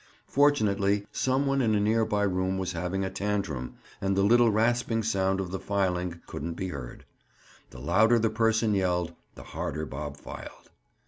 Fortunately some one in a near by room was having a tantrum and the little rasping sound of the filing couldn't be heard. The louder the person yelled, the harder Bob filed.